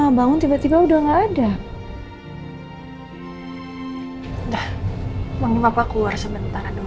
habis itu kita udah whisper aja